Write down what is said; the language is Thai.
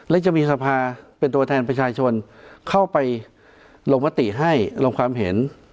และจะมีสภาเป็นตัวแทนประชาชนเข้าไปลงมติให้ลงความเห็น